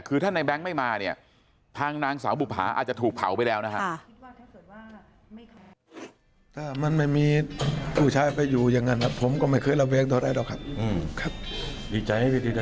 คือถ้าในแง๊งไม่มาเนี่ยทางนางสาวบุภาอาจจะถูกเผาไปแล้วนะฮะ